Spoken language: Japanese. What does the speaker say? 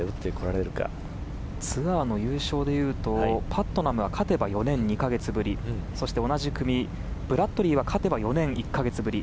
ツアーの優勝でいうとパットナムは勝てば４年２か月ぶりそして同じ組ブラッドリーが勝てば４年１か月ぶり。